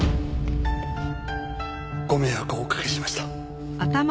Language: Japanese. ご迷惑をおかけしました。